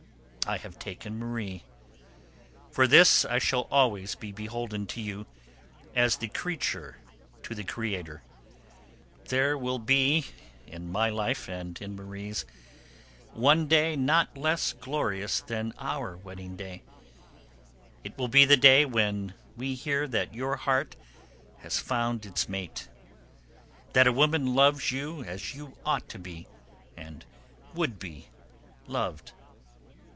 I have taken Marie. For this I shall always be beholden to you, as the creature to the Creator. There will be in my life and in Marie's one day not less glorious than our wedding day it will be the day when we hear that your heart has found its mate, that a woman loves you as you ought to be, and would be, loved.